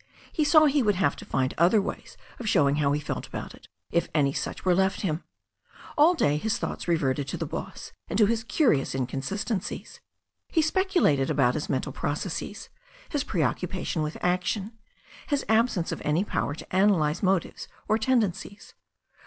He saw he would have to find other ways of showing how he felt about it» if aa^ «^5j:^ 3B5 386 THE STORY OF A NEW ZEALAND RIVER were left him. All day his thoughts reverted to the boss, and to his curious inconsistencies. He speculated about his mental processes, his preoccupation with action, his absence of any power to analyse motives or tendencies.